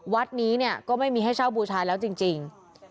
วัดนี้เนี่ยก็ไม่มีให้เช่าบูชาแล้วจริง